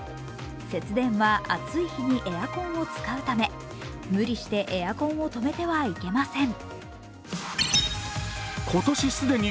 節電は暑い日にエアコンを使うため無理してエアコンを止めてはいけません。